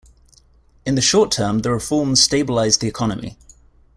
In the short term, the reforms stabilised the economy.